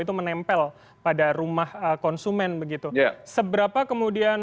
itu menempel pada rumah konsumen begitu ya seberapa kemudian ini sang